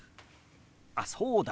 あっそうだ！